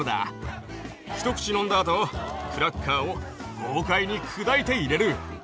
一口飲んだあとクラッカーを豪快に砕いて入れる！